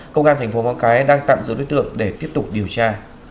công an thành phố móng cái đang tạm giữ đối tượng để tiếp tục điều tra